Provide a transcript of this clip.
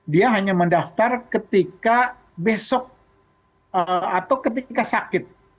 dia hanya mendaftar ketika besok atau ketika sakit